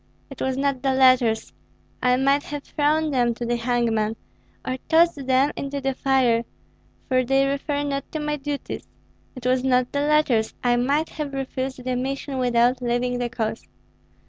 "It was not the letters, I might have thrown them to the hangman, or tossed them into the fire, for they refer not to my duties; it was not the letters. I might have refused the mission without leaving the cause.